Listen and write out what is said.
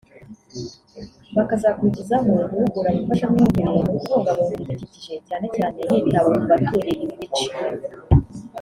bakazakurikizaho guhugura abafashamyumvire mu kubungabunga ibidukikije cyane cyane hitawe ku batuye ibi bice